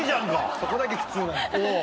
そこだけ普通なの？